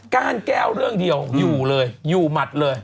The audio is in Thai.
้านแก้วเรื่องเดียวอยู่เลยอยู่หมัดเลย